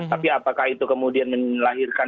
tapi apakah itu kemudian melahirkan